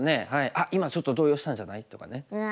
「あっ今ちょっと動揺したんじゃない？」とかね。